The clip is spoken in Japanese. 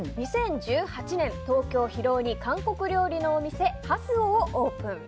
２０１８年、東京・広尾に韓国料理のお店ハスオをオープン。